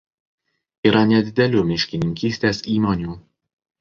Yra nedidelių miškininkystės įmonių.